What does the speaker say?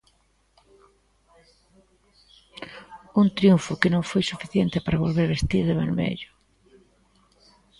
Un triunfo que non foi suficiente para volver vestir de vermello.